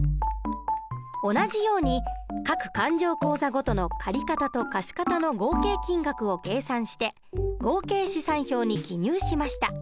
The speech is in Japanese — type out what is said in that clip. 同じように各勘定口座ごとの借方と貸方の合計金額を計算して合計試算表に記入しました。